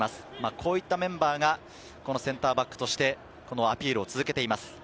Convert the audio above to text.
こういったメンバーがセンターバックとしてアピールを続けています。